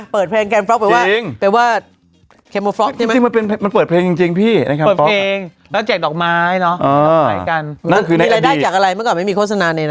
เปิดเพลงแคมป์ฟ็อกเป็นว่าจริงเป็นว่าแคมป์ฟ็อกนี่ไหมจริงจริงมันเป็น